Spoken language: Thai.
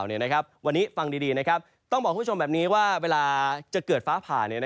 วันนี้ฟังดีต้องบอกคุณผู้ชมแบบนี้ว่าเวลาจะเกิดฟ้าผ่า